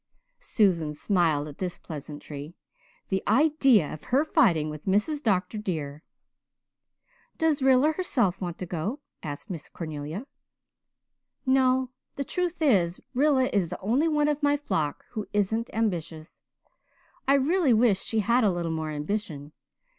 Susan smiled at this pleasantry. The idea of her fighting with "Mrs. Dr. dear!" "Does Rilla herself want to go?" asked Miss Cornelia. "No. The truth is, Rilla is the only one of my flock who isn't ambitious. I really wish she had a little more ambition.